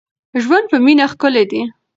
ژوند په مینه ښکلی دی.